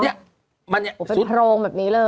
นี่เป็นโพรงแบบนี้เลย